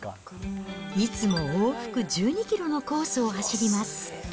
いつも往復１２キロのコースを走ります。